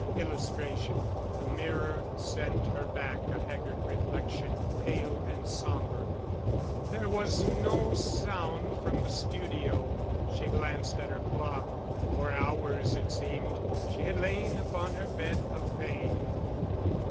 [Illustration: THE MIRROR SENT HER BACK A HAGGARD REFLECTION, PALE AND SOMBER] There was no sound from the studio. She glanced at her clock. For hours it seemed she had lain upon her bed of pain.